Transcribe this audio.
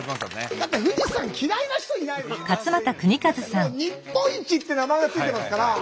だってもう日本一って名前が付いてますから。